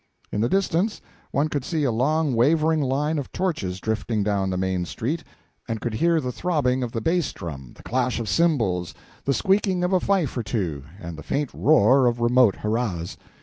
In the distance one could see a long wavering line of torches drifting down the main street, and could hear the throbbing of the bass drum, the clash of cymbals, the squeaking of a fife or two, and the faint roar of remote hurrahs.